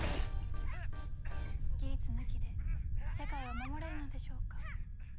ギーツ抜きで世界は守れるのでしょうか？